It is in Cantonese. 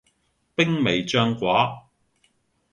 兵微將寡